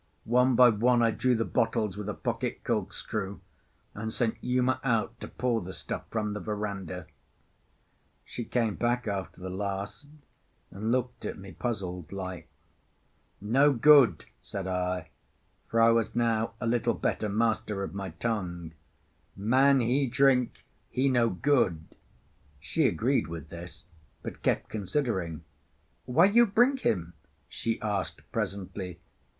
One by one I drew the bottles with a pocket corkscrew, and sent Uma out to pour the stuff from the verandah. She came back after the last, and looked at me puzzled like. "No good," said I, for I was now a little better master of my tongue. "Man he drink, he no good." She agreed with this, but kept considering. "Why you bring him?" she asked presently.